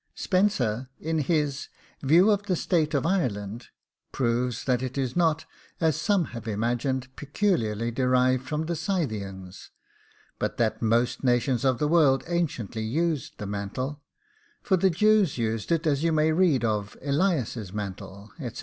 Spenser, in his VIEW OF THE STATE OF IRELAND, proves that it is not, as some have imagined, peculiarly derived from the Scythians, but that 'most nations of the world anciently used the mantle; for the Jews used it, as you may read of Elias's mantle, etc.